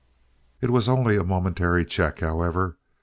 It was only a momentary check, however.